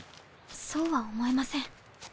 そうは思えません。